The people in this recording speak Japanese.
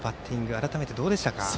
改めてどうでしたか。